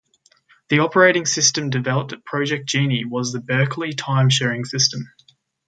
The operating system developed at Project Genie was the Berkeley Timesharing System.